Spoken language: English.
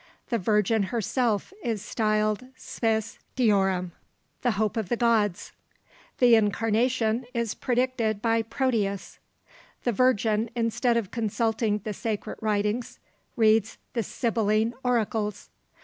The Virgin herself is styled spes deorum! "The hope of the gods!" The Incarnation is predicted by Proteus! The Virgin, instead of consulting the sacred writings, reads the Sibylline oracles!